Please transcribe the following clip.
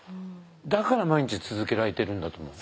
だから毎日続けられてるんだと思う。